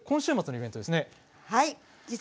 今週末のイベントですね。